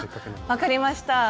分かりました。